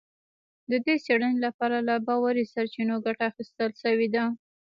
د دې څېړنې لپاره له باوري سرچینو ګټه اخیستل شوې ده